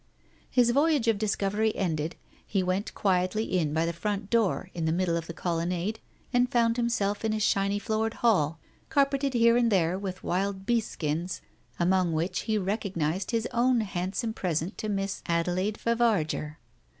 His voyage of , discovery ended, he went quietly in by Digitized by Google 262 TALES OF THE UNEASY the front door in the middle of the colonnade, and found himself in a shiny floored hall, carpeted here and there with wild beast skins, among which he recognized his own handsome present to Miss Adelaide Favarger.